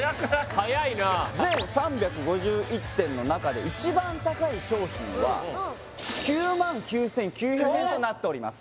早いな全３５１点の中で一番高い商品は９万９９００円となっております